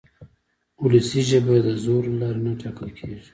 وولسي ژبه د زور له لارې نه ټاکل کېږي.